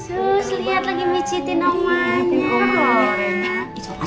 sus lihat lagi pijetin omanya